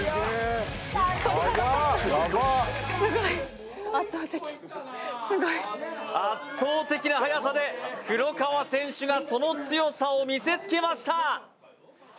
速ヤバすごい圧倒的な速さで黒川選手がその強さを見せつけました